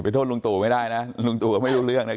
ไปโทษลุงตุไม่ได้นะลุงตุก็ไม่มีอะไร